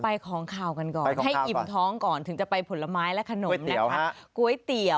ไปของข่าวกันก่อนให้อิ่มท้องก่อนถึงจะไปผลไม้และขนมนะครับ